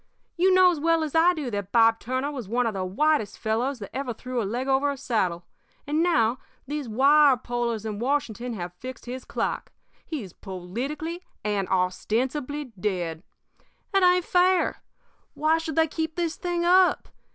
You know as well as I do that Bob Turner was one of the whitest fellows that ever threw a leg over a saddle, and now these wirepullers in Washington have fixed his clock. He's politically and ostensibly dead. It ain't fair. Why should they keep this thing up?